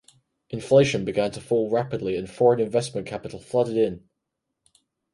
Inflation began to fall rapidly and foreign investment capital flooded in.